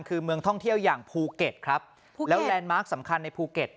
คือเมืองท่องเที่ยวอย่างภูเก็ตครับแล้วแลนด์มาร์คสำคัญในภูเก็ต